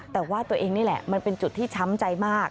แต่ว่าตัวเองนี่แหละมันเป็นจุดที่ช้ำใจมาก